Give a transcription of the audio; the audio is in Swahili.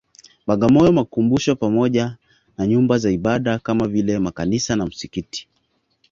Bagamoyo makumbusho pamoja na Nyumba za Ibada kama vile Makanisa na Misikiti